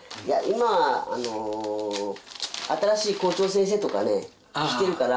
今あの新しい校長先生とかね来てるから。